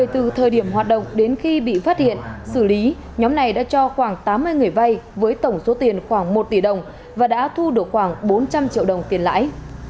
từ thời điểm hoạt động đến khi bị phát hiện xử lý nhóm này đã cho khoảng tám mươi người vay với tổng số tiền khoảng một tỷ đồng và đã thu được khoảng bốn trăm linh triệu đồng tiền lãi